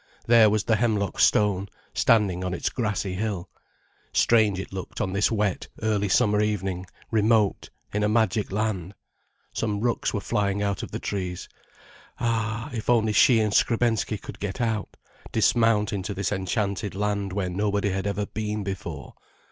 There was the Hemlock Stone standing on its grassy hill. Strange it looked on this wet, early summer evening, remote, in a magic land. Some rooks were flying out of the trees. Ah, if only she and Skrebensky could get out, dismount into this enchanted land where nobody had ever been before!